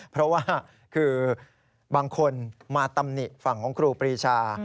เพราะว่าคือบางคนมาตำหนิฝั่งของครูปรีชา